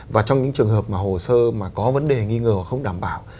và trong những trường hợp mà hồ sơ mà có vấn đề nghi ngờ không đảm bảo